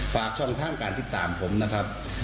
ฝากช่องทางการติดตามผมนะครับ